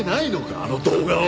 あの動画を。